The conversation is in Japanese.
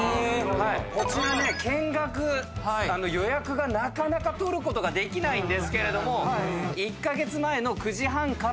こちらね見学予約がなかなか取ることができないんですけど。